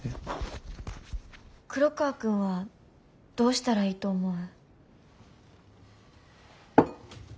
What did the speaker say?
黒川くんはどうしたらいいと思う？